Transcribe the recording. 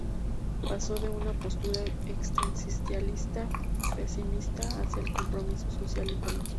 Pasó de una postura existencialista pesimista hacia el compromiso social y político.